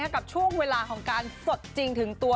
กับช่วงเวลาของการสดจริงถึงตัว